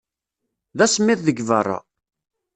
D asemmiḍ deg beṛṛa.